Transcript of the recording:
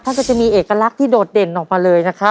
ถ้าจะมีเอกลักษณ์ที่โดดเด่นออกมาเลย